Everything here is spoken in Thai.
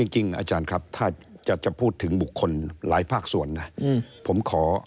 จริงอาจารย์ครับถ้าจะพูดถึงบุคคลหลายภาคส่วนนะผมขอ